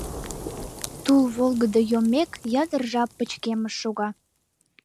Тул волгыдо йоммек, ятыр жап пычкемыш шога.